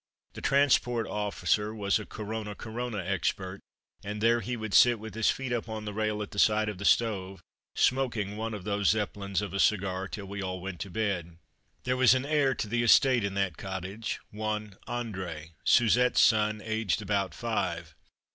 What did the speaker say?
The transport officer was a "Corona Corona" expert, and there he would sit with his feet up on the rail at the side of the stove, smoking one of these zeppelins of a cigar, till we all went to bed. There was an heir to the estate in that cottage one André, Suzette's son, aged about five.